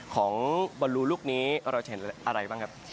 ของบอลลูลูกนี้เราจะเห็นอะไรบ้างครับ